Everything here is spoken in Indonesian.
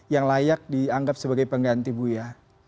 yang layak dianggap sebagai pengganti bu ya